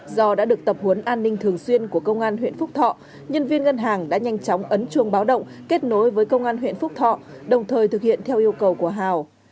do đã được tập huấn an ninh thường xuyên của công an huyện phúc thọ nhân viên ngân hàng đã nhanh chóng ấn chuông báo động kết nối với công an huyện phúc thọ đồng thời thực hiện theo yêu cầu của hào